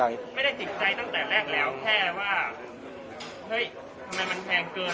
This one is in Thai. ไม่ได้ติดใจตั้งแต่แรกแล้วแค่ว่าเฮ้ยทำไมมันแพงเกิน